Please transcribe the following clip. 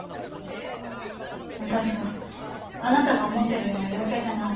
私はあなたが思ってるような陽キャじゃない。